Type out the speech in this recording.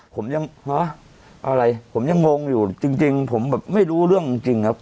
ผมยังฮะอะไรผมยังงงอยู่จริงผมแบบไม่รู้เรื่องจริงครับ